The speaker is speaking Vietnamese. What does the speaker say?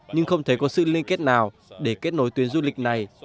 nhưng không thấy có sự liên kết nào để kết nối tuyến du lịch này